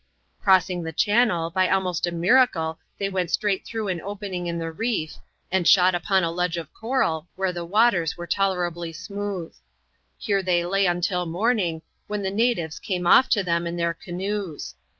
Crossing the channel, by almost a miracle they went straight through an opening in the reef, and shot upon a ledge of coral, where the waters were tolerably smooth. Here they lay until morning, when the natives came off to them in their canoes.